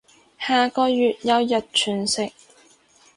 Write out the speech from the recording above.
下個月有日全食